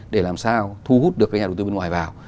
để làm sao thu hút được cái nhà đầu tư bên ngoài vào